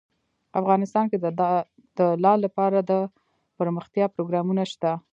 افغانستان کې د لعل لپاره دپرمختیا پروګرامونه شته.